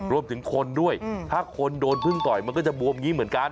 รวมถึงคนด้วยถ้าคนโดนพึ่งต่อยมันก็จะบวมอย่างนี้เหมือนกัน